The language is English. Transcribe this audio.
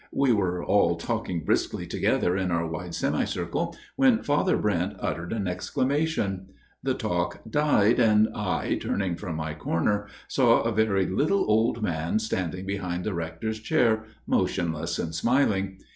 We were all talking briskly together in our wide semicircle, when 91 92 A MIRROR OF SHALOTT Father Brent uttered an exclamation. The talk died, and I, turning from my corner, saw a very little old man standing behind the Rector's chair, motionless and smiling.